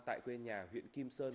tại quê nhà huyện kim sơn